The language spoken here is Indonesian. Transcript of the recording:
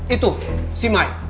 itu si mai